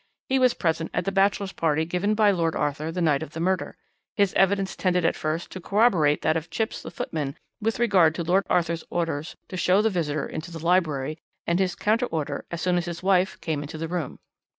He was present at the bachelors' party given by Lord Arthur the night of the murder. His evidence tended at first to corroborate that of Chipps the footman with regard to Lord Arthur's orders to show the visitor into the library, and his counter order as soon as his wife came into the room.